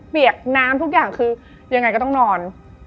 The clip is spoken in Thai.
เปียกน้ำทุกอย่างคือยังไงก็ต้องนอน